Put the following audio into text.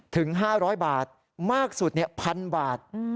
ถึง๕๐๐บาทมากสุด๑๐๐บาท